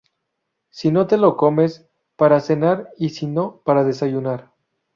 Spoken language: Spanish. Si no te lo comes, para cenar y si no, para desayunar